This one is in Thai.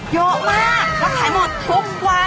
เยอะมากแล้วขายหมดทุกวัน